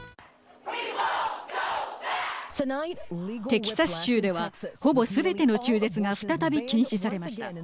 テキサス州ではほぼ、すべての中絶が再び禁止されました。